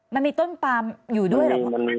มันมีต้นปามอยู่ด้วยเหรอ